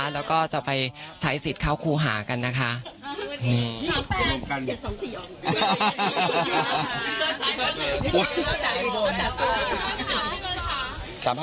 แล้วก็จะไปใช้สิทธิ์เข้าครูหากันนะคะ